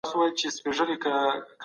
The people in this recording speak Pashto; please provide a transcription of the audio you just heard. په جرګو کي غټې پریکړي کیدلې.